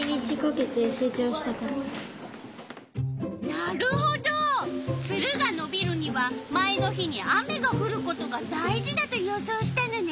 なるほどツルがのびるには前の日に雨がふることが大事だと予想したのね。